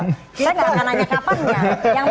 kita tidak akan tanya kapan ya